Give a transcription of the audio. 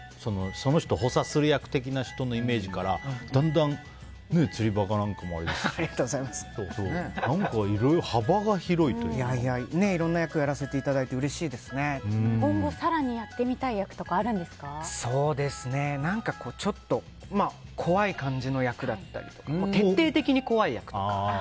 その人を補佐する的な役のイメージからだんだん、「釣りバカ」なんかもあれですけどいろんな役を今後更にやってみたい役とかちょっと怖い感じの役だったり徹底的に怖い役とか。